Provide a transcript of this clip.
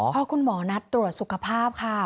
พอคุณหมอนัดตรวจสุขภาพค่ะ